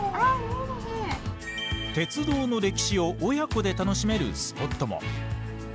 鉄道の歴史を親子で楽しめるスポットも。